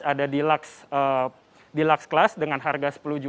ada di luxe class dengan harga rp sepuluh